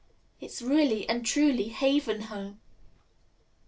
It's really and truly, Haven Home!"